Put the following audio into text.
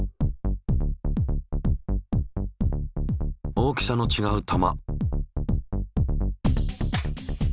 大きさのちがう球。